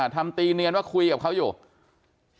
ทำตีเนียนว่าคุยกับเขาอยู่